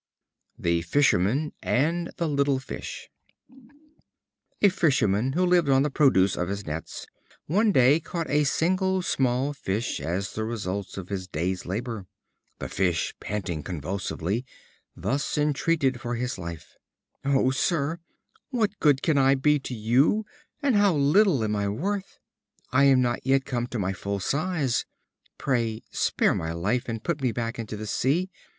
The Fisherman and the Little Fish A Fisherman who lived on the produce of his nets, one day caught a single small fish as the result of his day's labor. The fish, panting convulsively, thus entreated for his life: "O Sir, what good can I be to you, and how little am I worth! I am not yet come to my full size. Pray spare my life, and put me back into the sea.